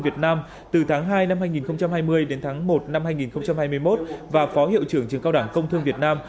việt nam từ tháng hai năm hai nghìn hai mươi đến tháng một năm hai nghìn hai mươi một và phó hiệu trưởng trường cao đẳng công thương việt nam